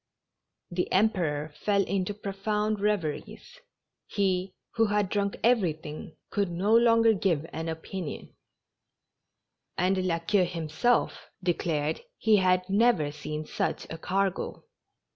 The Emperor fell into profound reveries — he, who had drunk everything, could no longer give an opinion ; and La Queue himself de clared he had never seen such a cargo.